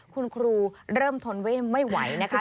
คุณครูเริ่มทนไม่ไหวนะคะ